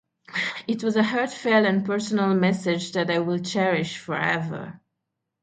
It was a heartfelt and personal message that I will cherish forever.